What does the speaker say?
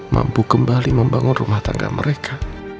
mampu kembali membangun rumah tangga mereka